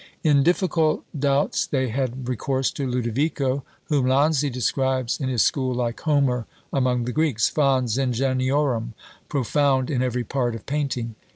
In difficult doubts they had recourse to Lodovico, whom Lanzi describes in his school like Homer among the Greeks, fons ingeniorum, profound in every part of painting.